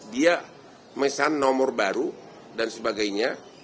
dia mesan nomor baru dan sebagainya